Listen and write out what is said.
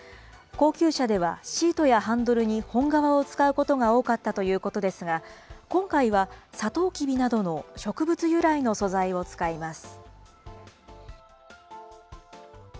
高級車ではシートやハンドルに本革を使うことが多かったということですが、今回はサトウキビなどの植物由来の素材を使います。